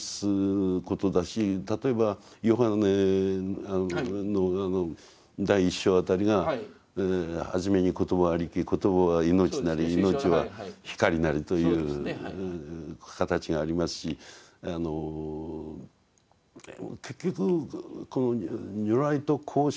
ことだし例えばヨハネの第一章辺りが「初めに言葉ありき言葉は命なり命は光なり」という形がありますし結局如来と交信しておられた瞬間